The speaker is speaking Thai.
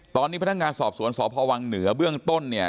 ตอนนี้พนักงานสอบสวนสพวังเหนือเบื้องต้นเนี่ย